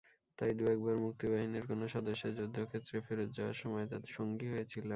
তাই দু-একবার মুক্তিবাহিনীর কোনো সদস্যের যুদ্ধক্ষেত্রে ফেরত যাওয়ার সময় তাঁর সঙ্গী হয়েছিলাম।